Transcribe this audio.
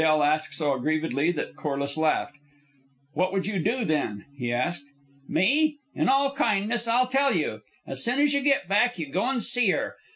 Del asked so aggrievedly that Corliss laughed. "What would you do, then?" he asked. "Me? In all kindness I'll tell you. As soon as you get back you go and see her.